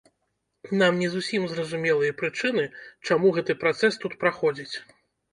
Нам не зусім зразумелыя прычыны, чаму гэты працэс тут праходзіць.